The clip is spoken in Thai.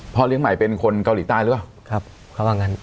พ่อเลี้ยงใหม่เป็นคนเกาหลีใต้หรือว่ะ